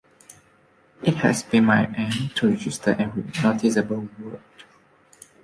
It has been my aim to register every noticeable word.